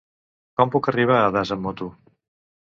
Com puc arribar a Das amb moto?